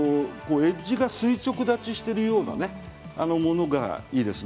エッジが垂直立ちしているようなものがいいですね。